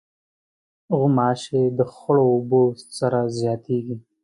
غوماشې د خړو اوبو سره زیاتیږي.